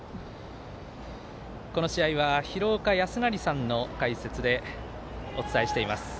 この試合は廣岡資生さんの解説でお伝えしています。